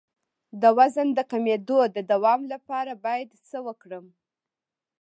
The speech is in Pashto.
د وزن د کمیدو د دوام لپاره باید څه وکړم؟